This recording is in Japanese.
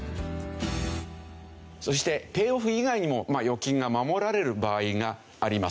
そしてペイオフ以外にも預金が守られる場合があります。